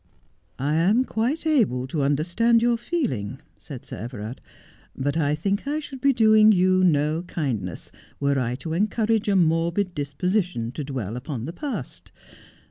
'I am quite able to understand your feeling,' said Sir Everard, ' but I think I should be doing you no kindness were I to encourage a morbid disposition to dwell upon the past.